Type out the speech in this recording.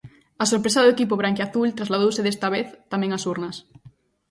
A sorpresa do equipo branquiazul trasladouse desta vez tamén ás urnas.